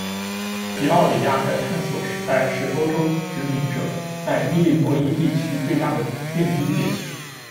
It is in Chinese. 皮奥里亚在探索时代是欧洲殖民者在伊利诺伊地区最大的定居点。